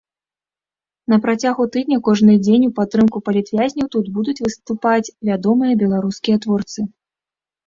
На працягу тыдня кожны дзень у падтрымку палітвязняў тут будуць выступаць вядомыя беларускія творцы.